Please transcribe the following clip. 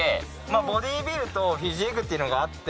まぁボディービルとフィジークっていうのがあって。